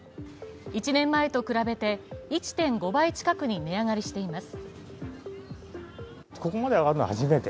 １年前と比べて１．５倍近くに値上がりしています。